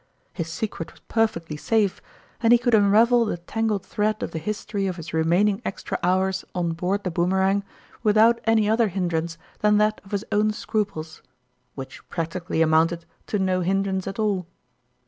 His secret was perfectly safe, and he could unravel the tangled thread of the history of his remain ing extra hours on board the Boomerang with out any other hindrance than that of his own scruples which practically amounted to no hindrance at all.